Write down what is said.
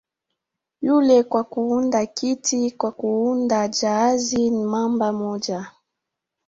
"Yule kwa kuunda kiti, kwa kuunda jahazi ni namba moja"